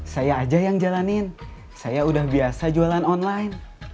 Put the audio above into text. saya aja yang jalanin saya udah biasa jualan online